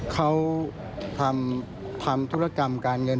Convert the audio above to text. เขาทำธุรกรรมการเงิน